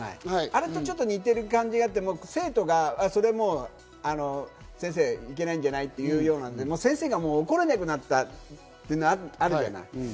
あれと似ている感じがあって、生徒が先生いけないんじゃない？っていうような先生が怒れなくなったというのがあるじゃない。